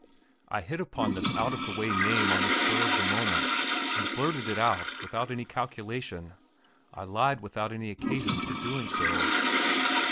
I hit upon this out of the way name on the spur of the moment, and blurted it out without any calculation. I lied without any occasion for doing so.